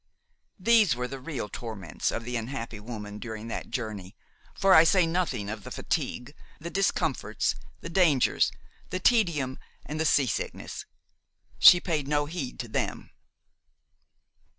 These were the real torments of the unhappy woman during that journey, for I say nothing of the fatigue, the discomforts, the dangers, the tedium and the sea sickness; she paid no heed to them.